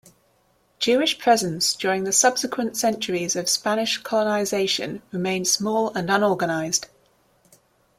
Jewish presence during the subsequent centuries of Spanish colonization remained small and unorganized.